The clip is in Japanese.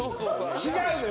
違うのよ。